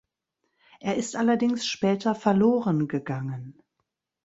Er ist allerdings später verlorengegangen.